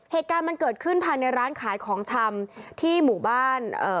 เหตุการณ์มันเกิดขึ้นภายในร้านขายของชำ